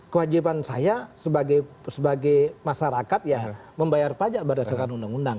kewajiban saya sebagai masyarakat ya membayar pajak berdasarkan undang undang